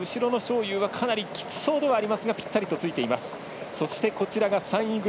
そして、後ろの章勇はかなりきつそうではありますがぴったりとついています。